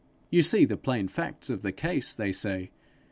'You see the plain facts of the case!' they say.